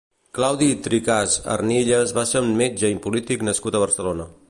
Claudi Tricaz Arnillas va ser un metge i polític nascut a Barcelona.